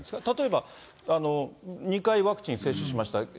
例えば２回ワクチン接種しました。